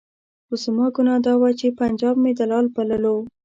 خو زما ګناه دا وه چې پنجاب مې دلال بللو.